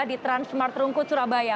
di transmart rungkut surabaya